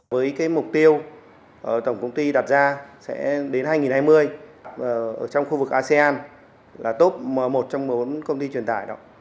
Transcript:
với cái mục tiêu tổng công ty đặt ra sẽ đến hai nghìn hai mươi ở trong khu vực asean là top một trong bốn công ty truyền tải đó